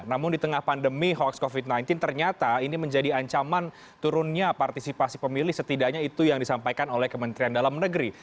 namun di tengah pandemi hoax covid sembilan belas ternyata ini menjadi ancaman turunnya partisipasi pemilih setidaknya itu yang disampaikan oleh kementerian dalam negeri